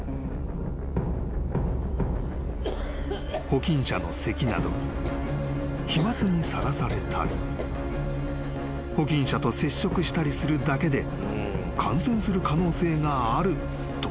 ［保菌者のせきなど飛沫にさらされたり保菌者と接触したりするだけで感染する可能性があると］